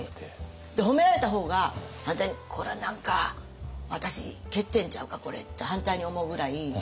褒められた方が反対に「これは何か私欠点ちゃうか？これ」って反対に思うぐらい。